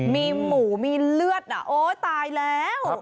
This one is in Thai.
มีหมูมีเลือดโอ๊ยตายแล้ว